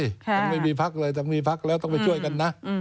ยังไม่มีพักเลยถ้ามีพักแล้วต้องไปช่วยกันนะ